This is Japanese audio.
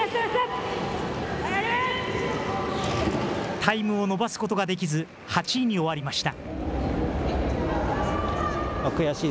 タイムを伸ばすことができず、８位に終わりました。